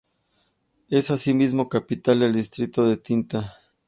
Es asimismo capital del distrito de Tinta.